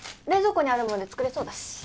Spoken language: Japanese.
冷蔵庫にあるもんで作れそうだし。